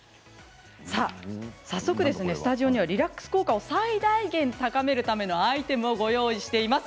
早速、スタジオにはリラックス効果を最大限高めるためのアイテムをご用意しました。